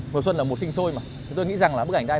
mùa xuân là một sinh sôi mà tôi nghĩ rằng là bức ảnh này